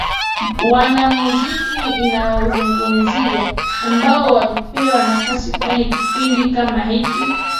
Wanamuziki ninaowazungumzia ambao walipewa nafasi kwenye kipindi kama hiki